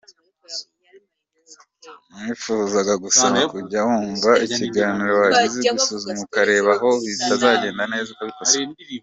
Nifuzaga kugusaba kujya wumva ikiganiro wagize ukisuzuma ukareba aho bitagenze neza ukabikosora.